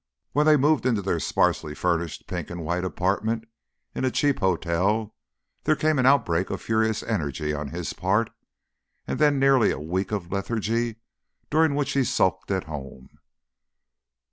When they moved into their sparsely furnished pink and white apartments in a cheap hotel, there came an outbreak of furious energy on his part, and then nearly a week of lethargy during which he sulked at home.